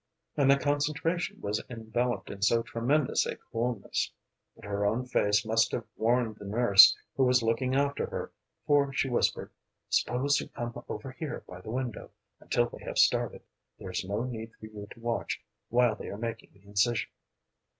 And the concentration was enveloped in so tremendous a coolness. But her own face must have warned the nurse who was looking after her, for she whispered, "Suppose you come over here by the window until they have started. There is no need for you to watch while they are making the incision."